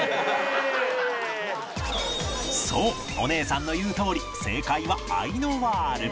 そうお姉さんの言うとおり正解はアイノワール